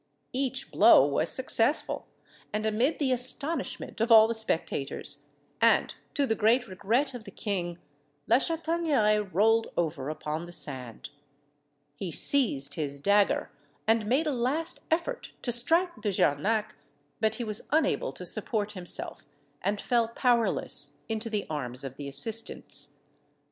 Each blow was successful, and, amid the astonishment of all the spectators, and to the great regret of the king, La Chataigneraie rolled over upon the sand. He seized his dagger, and made a last effort to strike De Jarnac: but he was unable to support himself, and fell powerless into the arms of the assistants.